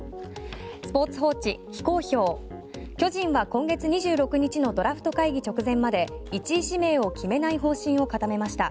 スポーツ報知非公表、巨人は今月２６日のドラフト会議直前まで１位指名を決めない方針を固めました。